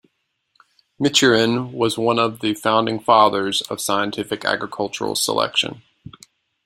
Michurin was one of the founding fathers of scientific agricultural selection.